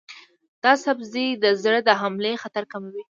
دا سبزی د زړه د حملې خطر کموي.